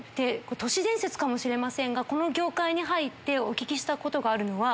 都市伝説かもしれませんがこの業界に入ってお聞きしたことがあるのは。